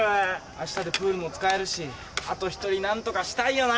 あしたでプールも使えるしあと１人何とかしたいよなぁ。